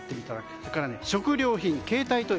それから食料品、携帯トイレ。